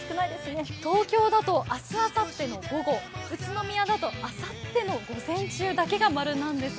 東京だと明日あさっての午後、宇都宮だとあさっての午前中だけが○なんです。